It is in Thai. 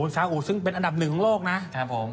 สาอุซึ่งเป็นอันดับหนึ่งของโลกนะ